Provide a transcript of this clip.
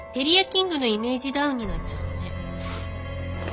キングのイメージダウンになっちゃうわね。